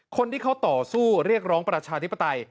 คนที่เขาต่อสู้เรียกร้องประชาธิปไตย